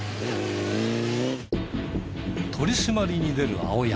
取り締まりに出る青山。